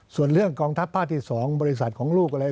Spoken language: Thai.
ส่วนเรื่องกองทัพภาคที่๒บริษัทของลูกอะไร